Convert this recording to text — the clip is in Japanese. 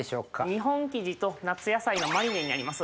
日本キジと夏野菜のマリネになります。